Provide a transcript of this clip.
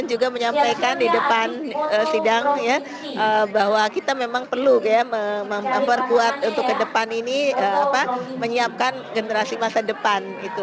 juga menyampaikan di depan sidang bahwa kita memang perlu memperkuat untuk ke depan ini menyiapkan generasi masa depan